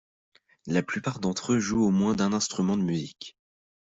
La plupart d'entre eux joue au moins d'un instrument de musique.